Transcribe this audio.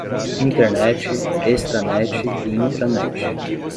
Internet, extranet e intranet